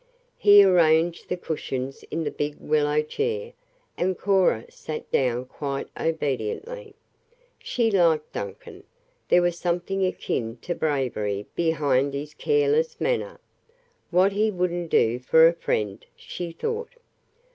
He arranged the cushions in the big willow chair, and Cora sat down quite obediently. She liked Duncan there was something akin to bravery behind his careless manner. "What he wouldn't do for a friend!" she thought.